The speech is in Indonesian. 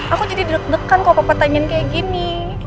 aku jadi deg degan kok papa tanyain kayak gini